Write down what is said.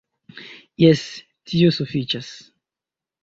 Jes, tio sufiĉas...